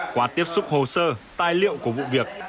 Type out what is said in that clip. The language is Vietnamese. qua tiếp xúc hồ sơ tài liệu của vụ việc